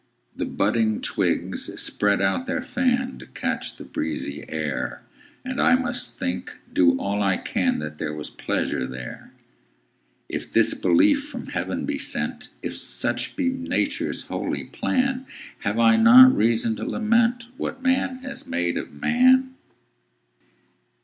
The budding twigs spread out their fan, To catch the breezy air; And I must think, do all I can, That there was pleasure there. If this belief from heaven be sent, If such be Nature's holy plan, Have I not reason to lament What man has made of man?